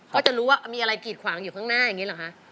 ก็จะรู้ว่ามีอะไรกีดขวางอยู่ข้างหน้าอย่างนี้เหรอคะ